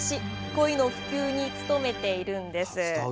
コイの普及に努めているんです。